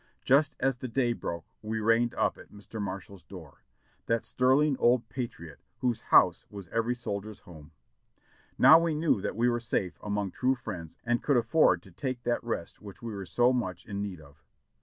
Just as the day broke we reined up at Mr. Marshall's door — that sterling old patriot whose house was every soldier's home. Now we knew that we were safe among true friends and could afford to take that rest which we were so much in need of.